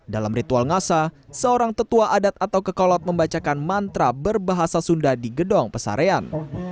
dalam ritual ngasa seorang tetua adat atau kekolot membacakan mantra berbahasa sunda di gedong pesarean